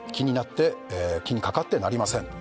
「気にかかってなりません」